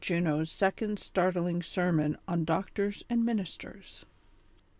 JUNO'S SECOND STARTLING SERMON ON DOCTORS AND MINISTERS.